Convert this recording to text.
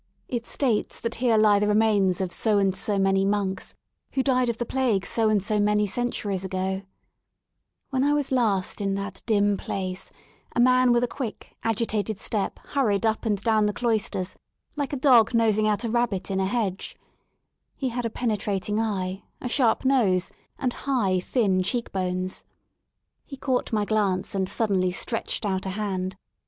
It states that here lie the remains of so and so many monks who died of the plague so and so many cen turies ago When I was last in that dim place a man with a quick, agitated step hurried up and down the cloisters like a dog nosing out a rabbit in a hedge^ He had a penetrating eye, a sharp nose, and high, thin cheek bones* He caught my glance and suddenly stretched 145 L THE SOUL OF LONDON out a hand.